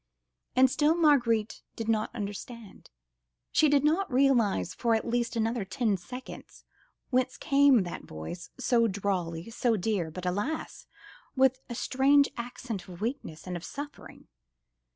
And still Marguerite did not understand. She did not realise for at least another ten seconds whence came that voice, so drawly, so dear, but alas! with a strange accent of weakness and of suffering.